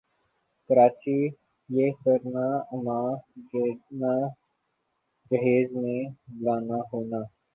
کراچی یِہ کرنا اماں جینا جہیز میں لانا ہونا